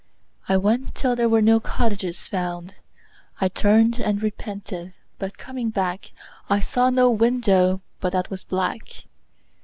I went till there were no cottages found. I turned and repented, but coming back I saw no window but that was black.